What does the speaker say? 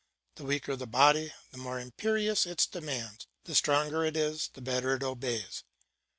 The weaker the body, the more imperious its demands; the stronger it is, the better it obeys.